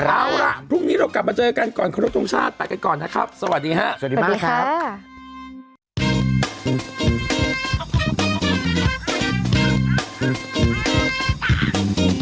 เอาล่ะพรุ่งนี้เรากลับมาเจอกันก่อนครบทรงชาติไปกันก่อนนะครับสวัสดีครับสวัสดีมากครับ